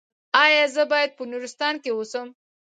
ایا زه باید په نورستان کې اوسم؟